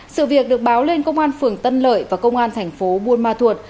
sự việc được báo lên công an phường tân lợi và công an thành phố buôn ma thuột